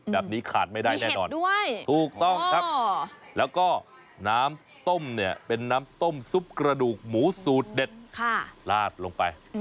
แบบนี้ขาดไม่ได้แน่นอนถูกต้องครับแล้วก็น้ำต้มเนี่ยเป็นน้ำต้มซุปกระดูกหมูสูตรเด็ดลาดลงไป